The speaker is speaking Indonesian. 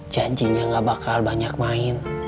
janjinya gak bakal banyak main